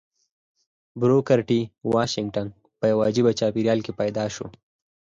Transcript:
بروکر ټي واشنګټن په يوه عجيبه چاپېريال کې پيدا شو.